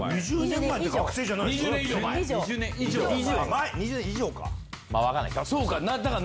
２０年以上か。